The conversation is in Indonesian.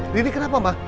ri ri kenapa mbak